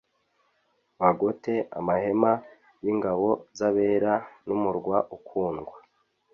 , bagote amahema y’ingabo z’abera n’umurwa ukundwa.